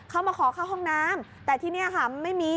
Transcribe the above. เขามาขอเข้าห้องน้ำแต่ที่นี่ค่ะมันไม่มี